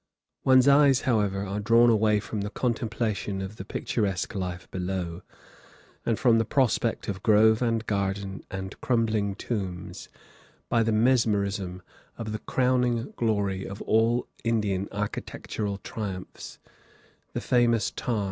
One's eyes, however, are drawn away from the contemplation of the picturesque life below, and from the prospect of grove and garden and crumbling tombs, by the mesmerism, of the crowning glory of all Indian architectural triumphs, the famous Taj.